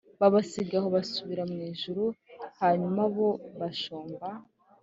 Babasiga aho basubira mu ijuru hanyuma abo bashumba